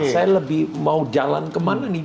saya lebih mau jalan kemana nih